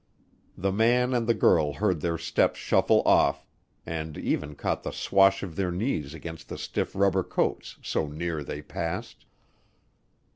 The man and the girl heard their steps shuffle off, and even caught the swash of their knees against the stiff rubber coats, so near they passed.